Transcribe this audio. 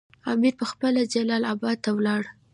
امیر پخپله جلال اباد ته ولاړ.